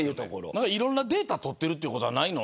いろんなデータ取ってるというのはないの。